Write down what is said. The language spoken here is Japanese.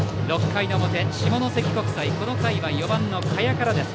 ６回の表、下関国際この回は４番の賀谷からです。